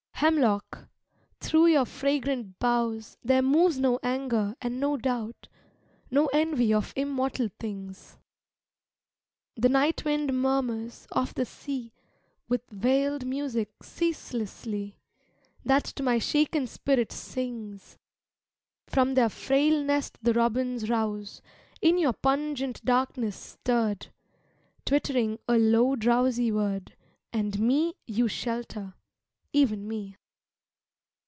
Hemlock, through your fragrant boughs There moves no anger and no doubt, No envy of immortal things. The night wind murmurs of the sea With veiled music ceaselessly, That to my shaken spirit sings. From their frail nest the robins rouse, In your pungent darkness stirred, Twittering a low drowsy word And me you shelter, even me.